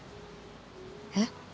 えっ？